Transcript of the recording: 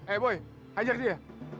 eh boy hajar dia